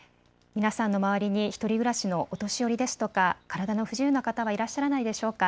皆さんの周りに１人暮らしのお年寄りですとか体の不自由な方はいらっしゃらないでしょうか。